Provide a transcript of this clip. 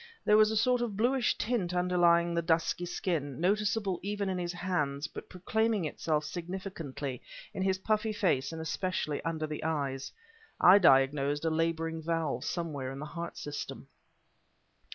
There was a sort of bluish tint underlying the dusky skin, noticeable even in his hands but proclaiming itself significantly in his puffy face and especially under the eyes. I diagnosed a laboring valve somewhere in the heart system.